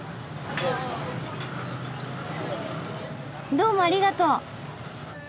どうもありがとう。